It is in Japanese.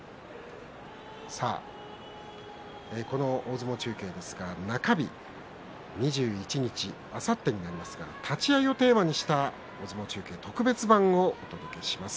この大相撲の中継ですが中日２１日、あさってになりますが立ち合いをテーマにした大相撲中継特別版をお届けします。